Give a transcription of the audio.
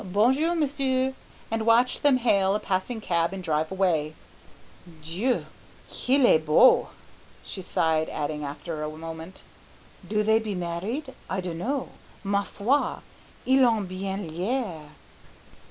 bonjour, monsieur_!" and watched them hail a passing cab and drive away. "Dieu! qu'il est beau," she sighed, adding after a moment, "Do they be married, I dunno, ma foi ils ont bien l'air."